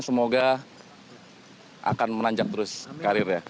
semoga akan menanjak terus karirnya